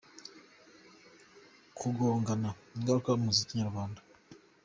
Kugongana ingaruka ku muziki nyarwanda